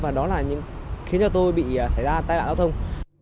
và đó là khiến cho tôi bị xảy ra tai nạn giao thông